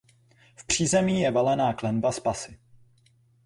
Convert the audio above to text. V přízemí je valená klenba s pasy.